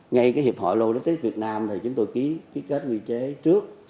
ngay cái hiệp hội logistics việt nam thì chúng tôi ký kết quy chế trước